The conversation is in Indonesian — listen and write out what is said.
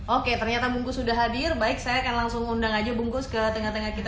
oke ternyata bungkus sudah hadir baik saya akan langsung undang aja bungkus ke tengah tengah kita